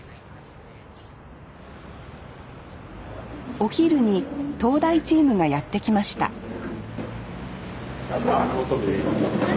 お昼に東大チームがやって来ましたはい。